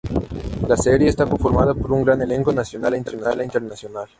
La serie está conformada por un gran elenco nacional e internacional.